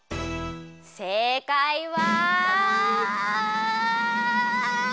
正解は。